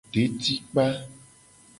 Detikpa.